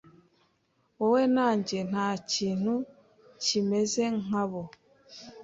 Wowe na njye ntakintu kimeze nkabo.